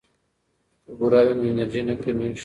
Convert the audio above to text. که بوره وي نو انرژي نه کمیږي.